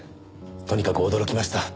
とにかく驚きました。